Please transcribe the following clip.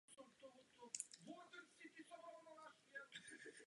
Řekl-li bych to, bylo by to až příliš obyčejné.